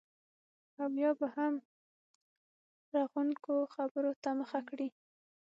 او یا به هم رغونکو خبرو ته مخه کړي